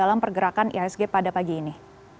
apa gerakan isk pada pagi ini